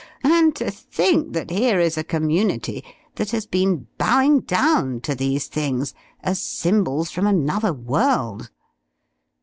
Whew! and to think that here is a community that has been bowing down to these things as symbols from another world!"